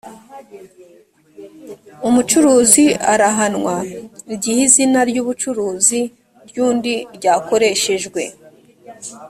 umucuruzi arahanwa igihe izina ry ubucuruzi ryundi ryakoreshejwe